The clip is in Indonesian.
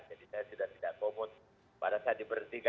jadi saya sudah tidak komut pada saat diberhentikan